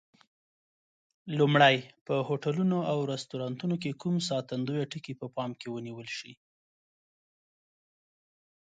لومړی: په هوټلونو او رستورانتونو کې کوم ساتندویه ټکي په پام کې ونیول شي؟